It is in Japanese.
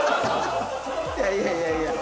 いやいやいやいや。